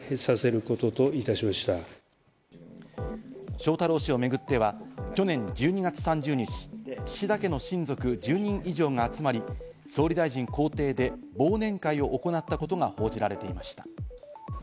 翔太郎氏を巡っては去年１２月３０日、岸田家の親族１０人以上が集まり、総理大臣公邸で忘年会を行ったことが報じられていました。